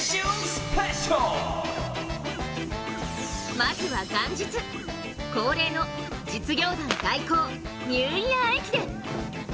まずは元日、恒例の実業団対抗ニューイヤー駅伝。